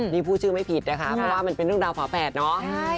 นี่พูดชื่อไม่ผิดนะคะเพราะว่ามันเป็นเรื่องราวฝาแฝดเนอะ